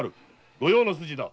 御用の筋だ。